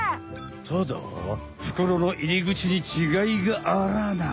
ただふくろのいりぐちにちがいがあらあなあ。